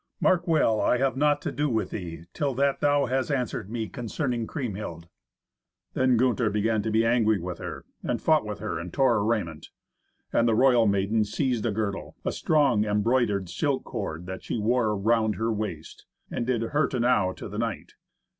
Mark well I have naught to do with thee, till that thou has answered me concerning Kriemhild." Then Gunther began to be angry with her, and fought with her, and tore her raiment. And the royal maiden seized a girdle, a strong embroidered silk cord that she wore round her waist, and did hurt enow to the knight.